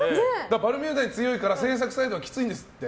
バルミューダに強いから製作サイドはきついんですって。